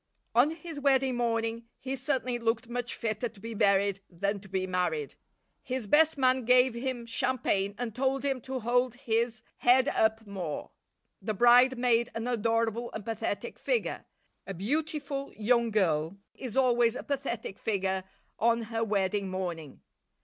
On his wedding morning he certainly looked much fitter to be buried than to be married. His best man gave him champagne and told him to hold his head up more. The bride made an adorable and pathetic figure; a beautiful young girl is always a pathetic figure on her wedding morning.